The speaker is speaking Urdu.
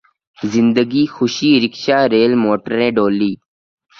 زندگی خوشی رکشا ریل موٹریں ڈولی